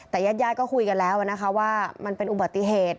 แต่ญาติก็คุยกันแล้วนะคะว่ามันเป็นอุบัติเหตุ